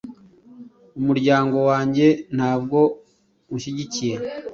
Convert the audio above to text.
Umuryango wanjye ntabwo unshyigikiye